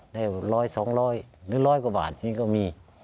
ได้ร้อยสองร้อยหรือร้อยกว่าบาทนี้ก็มี